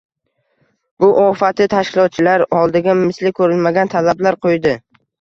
Bu ofati tashkilotchilar oldiga misli ko‘rilmagan talablar qo‘ydi.